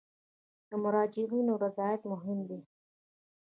د مراجعینو رضایت مهم دی